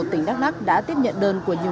tỉnh đắk lắc đã tiếp nhận đơn của nhiều